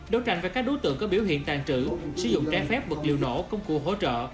đấu tranh với các đối tượng có biểu hiện tàn trữ sử dụng trái phép vật liệu nổ công cụ hỗ trợ